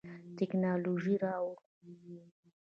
تکنالوژي راوړو.